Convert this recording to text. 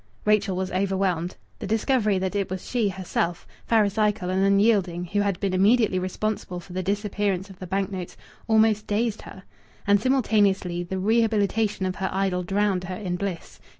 Rachel was overwhelmed. The discovery that it was she herself, Pharisaical and unyielding, who had been immediately responsible for the disappearance of the bank notes almost dazed her. And simultaneously the rehabilitation of her idol drowned her in bliss.